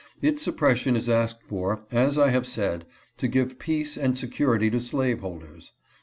Its sup pression is asked for, as I have said, to give peace and security to slaveholders.